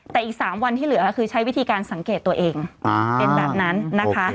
แต่อีก๓วันที่เหลือคือใช้วิธีการสังเกตตัวเองเป็นแบบนั้นนะคะ